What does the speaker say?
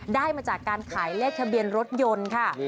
ได้มาจากการขายเลขทะเบียนรถยนต์ค่ะ